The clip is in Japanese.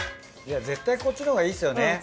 いや絶対こっちのほうがいいですよね。